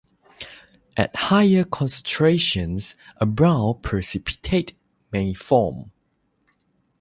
At higher concentrations, a brown precipitate may form.